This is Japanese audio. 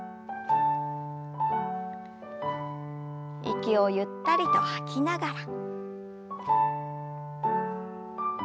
息をゆったりと吐きながら。